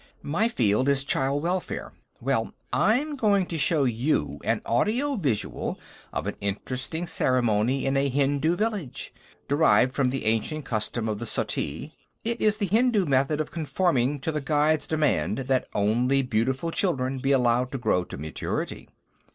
"My field is child welfare. Well, I'm going to show you an audio visual of an interesting ceremony in a Hindu village, derived from the ancient custom of the suttee. It is the Hindu method of conforming to The Guide's demand that only beautiful children be allowed to grow to maturity."